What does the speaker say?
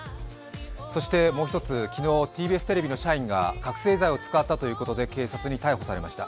そしてもう一つ昨日、ＴＢＳテレビの社員が覚醒剤を使ったということで警察に逮捕されました。